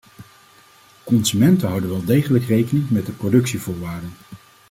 Consumenten houden wel degelijk rekening met de productievoorwaarden.